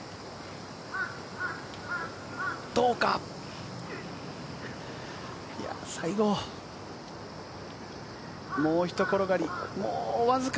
どうか？